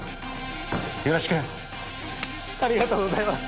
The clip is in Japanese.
よろしくありがとうございます